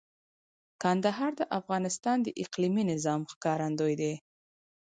کندهار د افغانستان د اقلیمي نظام ښکارندوی دی.